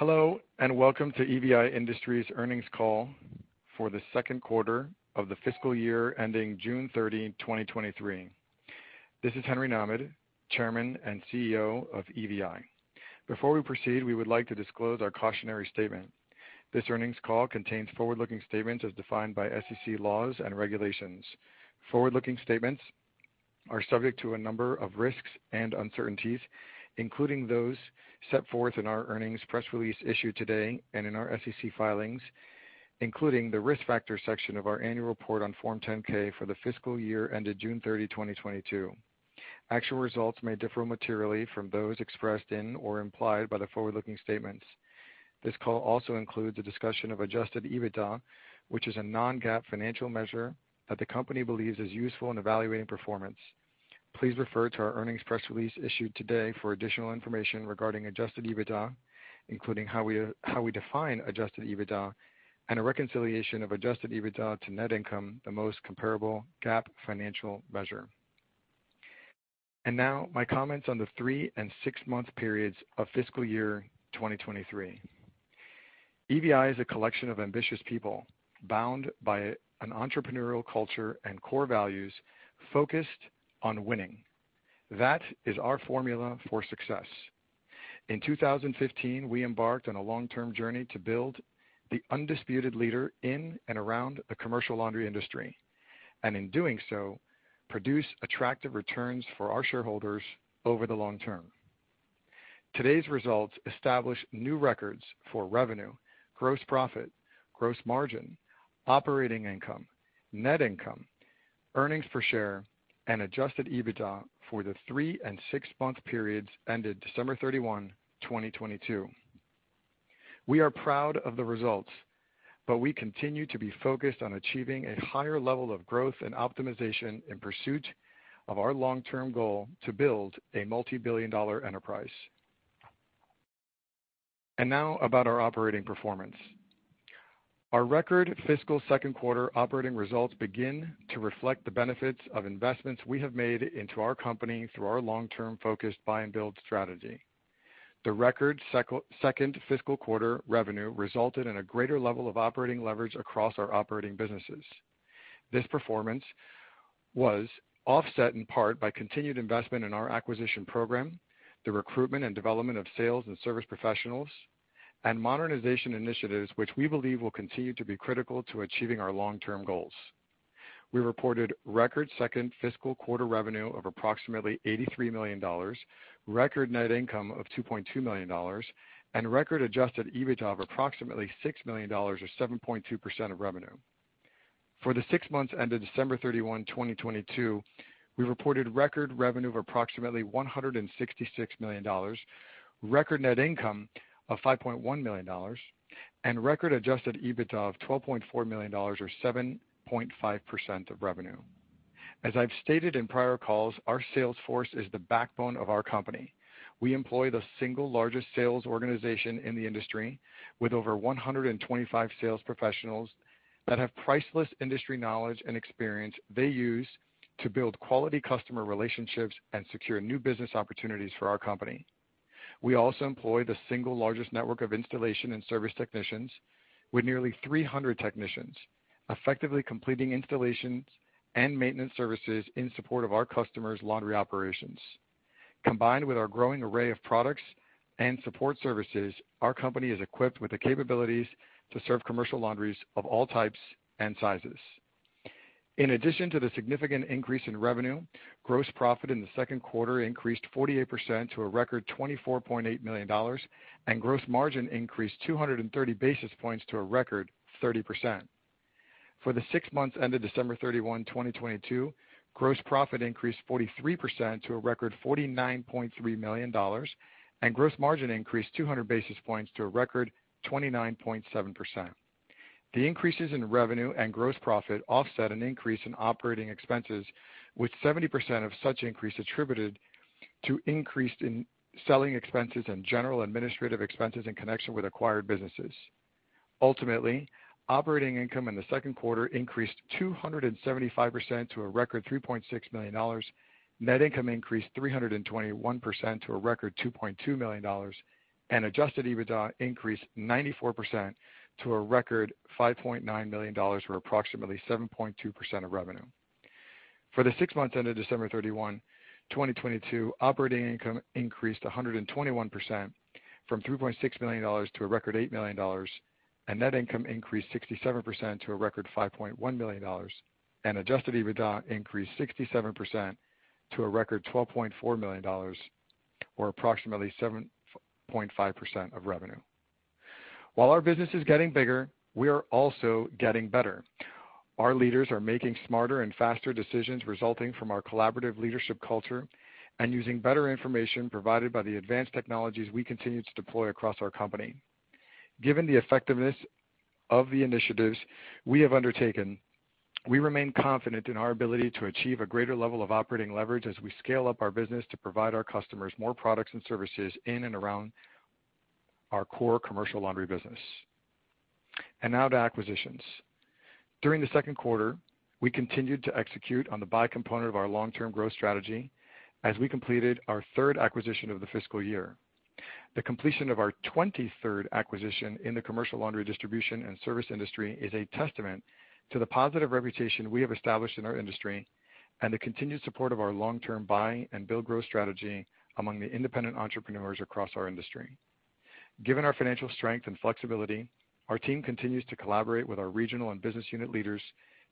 Hello, welcome to EVI Industries' earnings call for the second quarter of the fiscal year ending June 30, 2023. This is Henry Nahmad, Chairman and CEO of EVI. Before we proceed, we would like to disclose our cautionary statement. This earnings call contains forward-looking statements as defined by SEC laws and regulations. Forward-looking statements are subject to a number of risks and uncertainties, including those set forth in our earnings press release issued today and in our SEC filings, including the Risk Factors section of our annual report on Form 10-K for the fiscal year ended June 30, 2022. Actual results may differ materially from those expressed in or implied by the forward-looking statements. This call also includes a discussion of adjusted EBITDA, which is a non-GAAP financial measure that the company believes is useful in evaluating performance. Please refer to our earnings press release issued today for additional information regarding adjusted EBITDA, including how we define adjusted EBITDA and a reconciliation of adjusted EBITDA to net income, the most comparable GAAP financial measure. Now my comments on the 3- and 6-month periods of fiscal year 2023. EVI is a collection of ambitious people bound by an entrepreneurial culture and core values focused on winning. That is our formula for success. In 2015, we embarked on a long-term journey to build the undisputed leader in and around the commercial laundry industry, and in doing so, produce attractive returns for our shareholders over the long term. Today's results establish new records for revenue, gross profit, gross margin, operating income, net income, earnings per share, and adjusted EBITDA for the 3- and 6-month periods ended December 31, 2022. We are proud of the results, but we continue to be focused on achieving a higher level of growth and optimization in pursuit of our long-term goal to build a multi-billion-dollar enterprise. Now about our operating performance. Our record fiscal second quarter operating results begin to reflect the benefits of investments we have made into our company through our long-term focused buy and build strategy. The record second fiscal quarter revenue resulted in a greater level of operating leverage across our operating businesses. This performance was offset in part by continued investment in our acquisition program, the recruitment and development of sales and service professionals, and modernization initiatives, which we believe will continue to be critical to achieving our long-term goals. We reported record second fiscal quarter revenue of approximately $83 million, record net income of $2.2 million, and record adjusted EBITDA of approximately $6 million or 7.2% of revenue. For the 6-month ended December 31, 2022, we reported record revenue of approximately $166 million, record net income of $5.1 million, and record adjusted EBITDA of $12.4 million or 7.5% of revenue. As I've stated in prior calls, our sales force is the backbone of our company. We employ the single largest sales organization in the industry, with over 125 sales professionals that have priceless industry knowledge and experience they use to build quality customer relationships and secure new business opportunities for our company. We also employ the single largest network of installation and service technicians with nearly 300 technicians, effectively completing installations and maintenance services in support of our customers' laundry operations. Combined with our growing array of products and support services, our company is equipped with the capabilities to serve commercial laundries of all types and sizes. In addition to the significant increase in revenue, gross profit in the second quarter increased 48% to a record $24.8 million, and gross margin increased 230 basis points to a record 30%. For the 6-month ended December 31, 2022, gross profit increased 43% to a record $49.3 million, and gross margin increased 200 basis points to a record 29.7%. The increases in revenue and gross profit offset an increase in operating expenses, with 70% of such increase attributed to increased in selling expenses and general administrative expenses in connection with acquired businesses. Ultimately, operating income in the second quarter increased 275% to a record $3.6 million. Net income increased 321% to a record $2.2 million, adjusted EBITDA increased 94% to a record $5.9 million, or approximately 7.2% of revenue. For the 6-month ended December 31, 2022, operating income increased 121% from $3.6 million to a record $8 million, and net income increased 67% to a record $5.1 million, and adjusted EBITDA increased 67% to a record $12.4 million or approximately 7.5% of revenue. While our business is getting bigger, we are also getting better. Our leaders are making smarter and faster decisions resulting from our collaborative leadership culture and using better information provided by the advanced technologies we continue to deploy across our company. Given the effectiveness of the initiatives we have undertaken, we remain confident in our ability to achieve a greater level of operating leverage as we scale up our business to provide our customers more products and services in and around our core commercial laundry business. Now to acquisitions. During the 2nd quarter, we continued to execute on the buy component of our long-term growth strategy as we completed our 3rd acquisition of the fiscal year. The completion of our 23rd acquisition in the commercial laundry distribution and service industry is a testament to the positive reputation we have established in our industry and the continued support of our long-term buy and build growth strategy among the independent entrepreneurs across our industry. Given our financial strength and flexibility, our team continues to collaborate with our regional and business unit leaders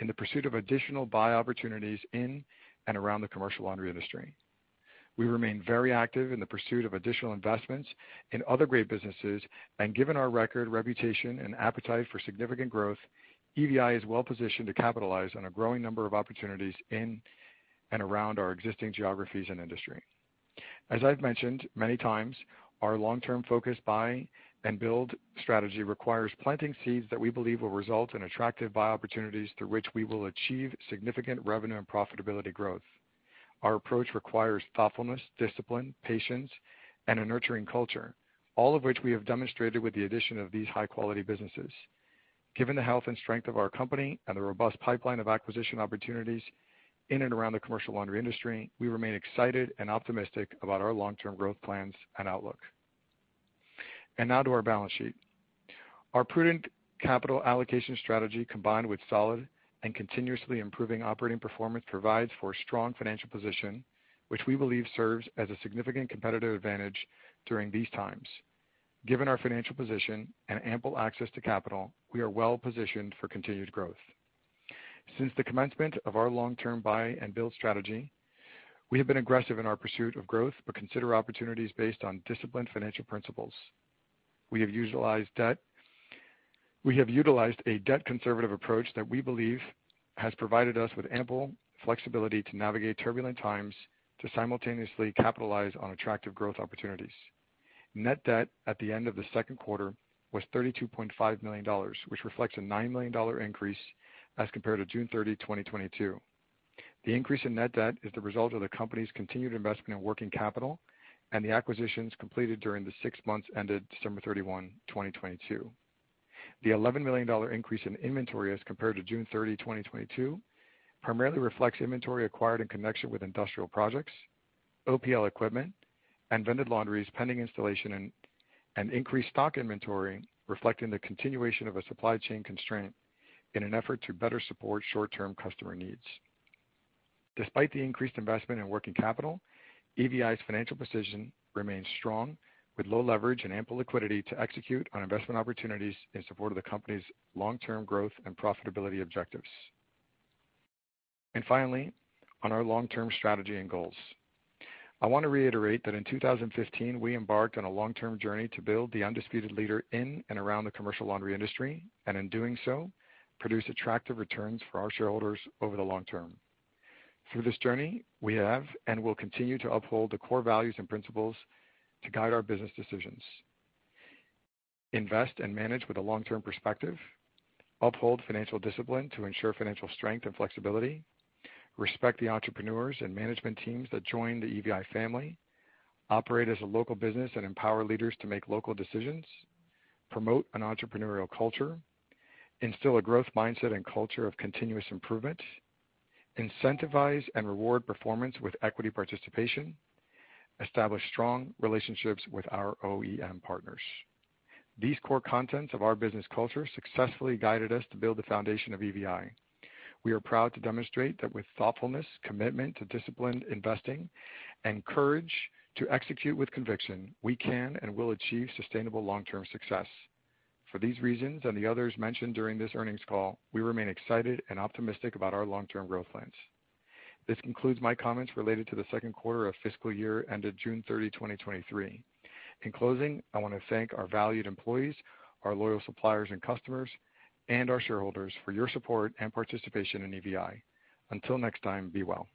in the pursuit of additional buy opportunities in and around the commercial laundry industry. We remain very active in the pursuit of additional investments in other great businesses, and given our record, reputation, and appetite for significant growth, EVI is well positioned to capitalize on a growing number of opportunities in and around our existing geographies and industry. As I've mentioned many times, our long-term focused buy and build strategy requires planting seeds that we believe will result in attractive buy opportunities through which we will achieve significant revenue and profitability growth. Our approach requires thoughtfulness, discipline, patience, and a nurturing culture, all of which we have demonstrated with the addition of these high-quality businesses. Given the health and strength of our company and the robust pipeline of acquisition opportunities in and around the commercial laundry industry, we remain excited and optimistic about our long-term growth plans and outlook. Now to our balance sheet. Our prudent capital allocation strategy, combined with solid and continuously improving operating performance, provides for a strong financial position which we believe serves as a significant competitive advantage during these times. Given our financial position and ample access to capital, we are well positioned for continued growth. Since the commencement of our long-term buy and build strategy, we have been aggressive in our pursuit of growth, but consider opportunities based on disciplined financial principles. We have utilized a debt conservative approach that we believe has provided us with ample flexibility to navigate turbulent times, to simultaneously capitalize on attractive growth opportunities. Net debt at the end of the second quarter was $32.5 million, which reflects a $9 million increase as compared to June 30, 2022. The increase in net debt is the result of the company's continued investment in working capital and the acquisitions completed during the 6-month ended December 31, 2022. The $11 million increase in inventory as compared to June 30, 2022 primarily reflects inventory acquired in connection with industrial projects, OPL equipment, and vended laundries pending installation and increased stock inventory, reflecting the continuation of a supply chain constraint in an effort to better support short-term customer needs. Despite the increased investment in working capital, EVI's financial position remains strong, with low leverage and ample liquidity to execute on investment opportunities in support of the company's long-term growth and profitability objectives. Finally, on our long-term strategy and goals. I want to reiterate that in 2015, we embarked on a long-term journey to build the undisputed leader in and around the commercial laundry industry, and in doing so, produce attractive returns for our shareholders over the long term. Through this journey, we have and will continue to uphold the core values and principles to guide our business decisions, invest and manage with a long-term perspective, uphold financial discipline to ensure financial strength and flexibility, respect the entrepreneurs and management teams that join the EVI family, operate as a local business and empower leaders to make local decisions, promote an entrepreneurial culture, instill a growth mindset and culture of continuous improvement, incentivize and reward performance with equity participation, establish strong relationships with our OEM partners. These core contents of our business culture successfully guided us to build the foundation of EVI. We are proud to demonstrate that with thoughtfulness, commitment to disciplined investing, and courage to execute with conviction, we can and will achieve sustainable long-term success. For these reasons and the others mentioned during this earnings call, we remain excited and optimistic about our long-term growth plans. This concludes my comments related to the second quarter of fiscal year ended June 30, 2023. In closing, I want to thank our valued employees, our loyal suppliers and customers, and our shareholders for your support and participation in EVI. Until next time, be well.